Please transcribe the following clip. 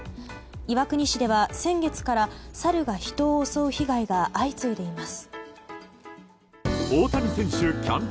岩国市では先月からサルが人を襲う被害が相次いでいます。